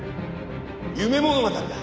「夢物語だ。